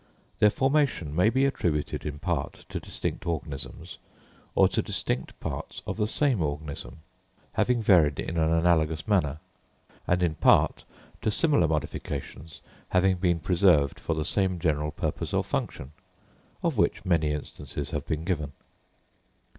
Their formation may be attributed in part to distinct organisms, or to distinct parts of the same organism, having varied in an analogous manner; and in part to similar modifications, having been preserved for the same general purpose or function, of which many instances have been given.